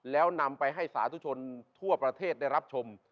แล้วนำไปให้สาธุชนทั่วประเทศได้รับชม